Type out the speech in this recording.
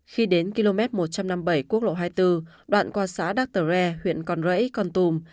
khi đến km một trăm năm mươi bảy quốc lộ hai mươi bốn đoạn qua xã dr re huyện con rẫy con tùm